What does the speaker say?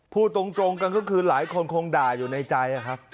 พูดตรงกันก็คือหลายคนคงด่าอยู่ในใจครับ